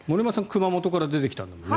熊本から出てきたんだよね？